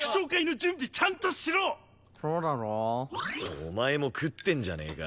お前も食ってんじゃねえか。